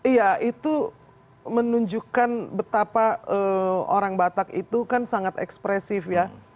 iya itu menunjukkan betapa orang batak itu kan sangat ekspresif ya